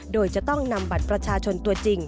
โดยจะต้องนำบัตรประชาชนตัวจริง